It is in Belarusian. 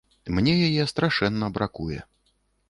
Мне яе страшэнна бракуе.